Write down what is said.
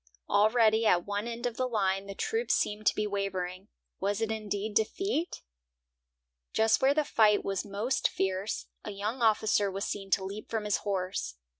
Already at one end of the line the troops seemed to be wavering. Was it indeed defeat? Just where the fight was most fierce, a young officer was seen to leap from his horse.